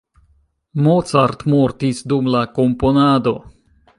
Mozart mortis dum la komponado.